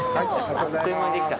あっという間にできた。